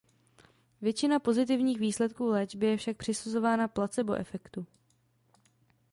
Většina pozitivních výsledků léčby je však přisuzována placebo efektu.